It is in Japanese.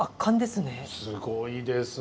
すごいですね。